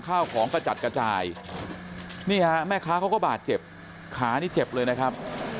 ข้าวของกระจัดกระจายนี่ฮะแม่ค้าเขาก็บาดเจ็บขานี่เจ็บเลยนะครับ